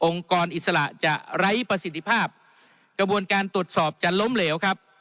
กรอิสระจะไร้ประสิทธิภาพกระบวนการตรวจสอบจะล้มเหลวครับ